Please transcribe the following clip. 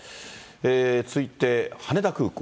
続いて羽田空港。